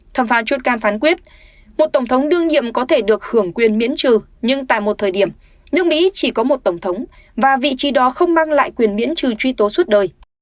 thẩm phán johnkan phán quyết một tổng thống đương nhiệm có thể được hưởng quyền miễn trừ nhưng tại một thời điểm nước mỹ chỉ có một tổng thống và vị trí đó không mang lại quyền miễn trừ truy tố suốt đời